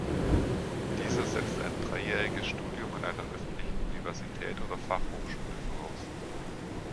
Dieser setzt ein dreijähriges Studium an einer öffentlichen Universität oder Fachhochschule voraus.